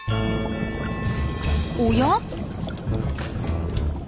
おや？